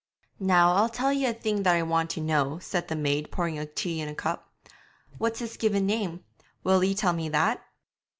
'Now I'll tell ye a thing that I want to know,' said the maid, pouring tea in a cup. 'What's his given name? Will ye tell me that?'